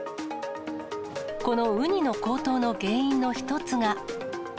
このウニの高騰の原因の一つが。